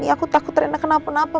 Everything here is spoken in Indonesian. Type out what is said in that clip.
aku takut rina kenapa kenapa